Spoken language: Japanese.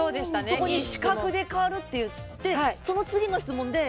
そこに視覚で変わるって言ってその次の質問で。